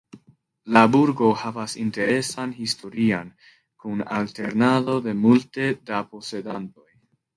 La burgo havas interesan historion kun alternado de multe da posedantoj.